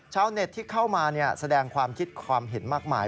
ชาวเน็ตที่เข้ามาแสดงความคิดความเห็นมากมาย